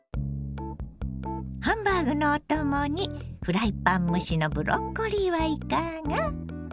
ハンバーグのお供にフライパン蒸しのブロッコリーはいかが？